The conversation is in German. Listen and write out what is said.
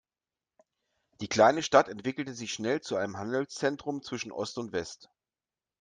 Die kleine Stadt entwickelte sich schnell zu einem Handelszentrum zwischen Ost und West.